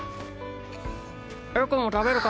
エコも食べるか？